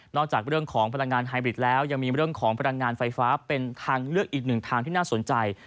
จากเรื่องของพลังงานไฮบริดแล้วยังมีเรื่องของพลังงานไฟฟ้าเป็นทางเลือกอีกหนึ่งทางที่น่าสนใจ